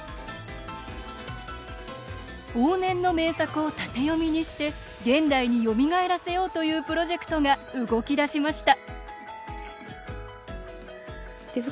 往年の名作を縦読みにして現代によみがえらせようというプロジェクトが動き出しました